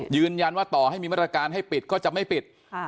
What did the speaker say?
ยืนยันว่าต่อให้มีมาตรการให้ปิดก็จะไม่ปิด